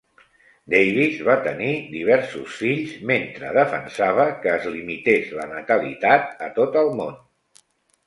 Davis va tenir diversos fills mentre defensava que es limités la natalitat a tot el món.